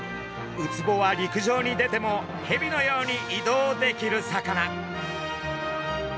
ウツボは陸上に出てもヘビのように移動できる魚。